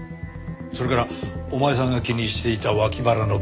それからお前さんが気にしていた脇腹の傷